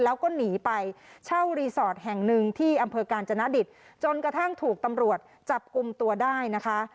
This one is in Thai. แล้วก็หนีไปเช่ารีสอร์ทแห่งหนึ่งที่อำเภอกาญจนดิตจนกระทั่งถูกตำรวจจับกลุ่มตัวได้นะคะ